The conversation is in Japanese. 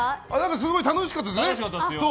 すごい楽しかったですね。